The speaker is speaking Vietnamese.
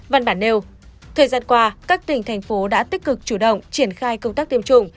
văn bản nêu thời gian qua các tỉnh thành phố đã tích cực chủ động triển khai công tác tiêm chủng